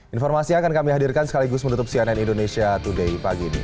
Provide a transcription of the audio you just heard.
informasi akan kami hadirkan sekaligus menutup cnn indonesia today pagi ini